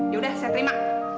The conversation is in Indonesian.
ya udah saya terima